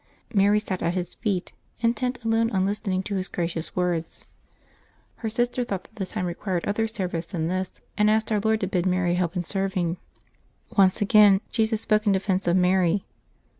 Mary sat at His feet, intent alone on listening to His gracious words. Her sister thought that the time required other service than this, and asked our Lord to bid Mary help in serving. Once again Jesus spoke in defence of Mary.